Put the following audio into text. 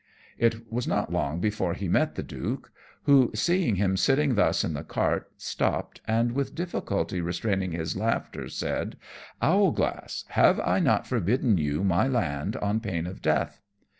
_] It was not long before he met the Duke, who, seeing him sitting thus in the cart, stopped, and, with difficulty restraining his laughter, said, "Owlglass, have I not forbidden you my land on pain of death?"